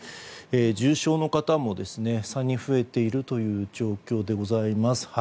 重症の方も３人増えているという状況です。